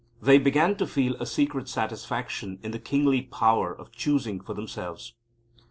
They began to feel a secret satisfaction in the kingly power of choosing for themselves.